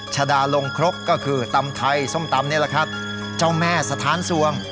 ชาดาลงครกก็คือตำไทยส้มตำนี่แหละครับเจ้าแม่สถานสวง